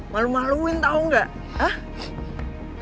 malu maluin tau gak